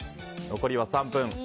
残りは３分。